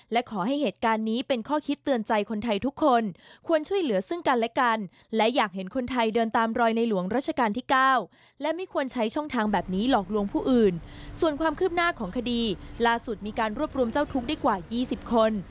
และขอให้เหตุการณ์นี้เป็นข้อคิดเตือนใจคนไทยทุกคน